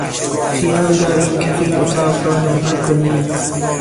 خیال داریم کف این اتاق را مرمر کنیم.